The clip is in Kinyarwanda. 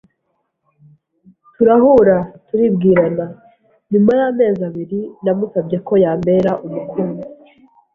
turahura turibwirana. Nyuma y’amezi abiri namusabye ko yambera umukunzi